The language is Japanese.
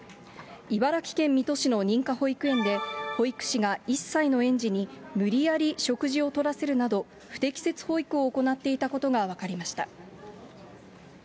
茨城県水戸市の認可保育園で、保育士が１歳の園児に、無理やり食事をとらせるなど、不適切保育を行っていたことが分かりました。